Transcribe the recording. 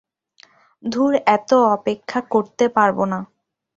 ধুর, এত অপেক্ষা করতে পারব না।